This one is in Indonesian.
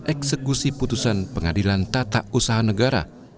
eksekusi putusan pengadilan tata usaha negara